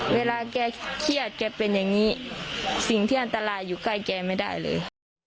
เวลาแกเครียดแกเป็นอย่างนี้สิ่งที่อันตรายอยู่ใกล้แกไม่ได้เลย